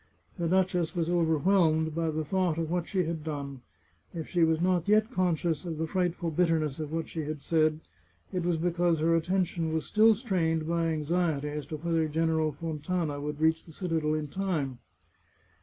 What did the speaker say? The duchess was overwhelmed by the thought of what she had done. If she was not yet conscious of the frightful bitterness of what she had said, it was because her attention was still strained by anxiety as to whether General Fontana would reach the citadel in time.